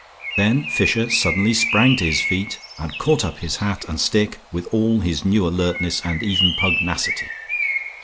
Then Fisher suddenly sprang to his feet and caught up his hat and stick with all his new alertness and even pugnacity.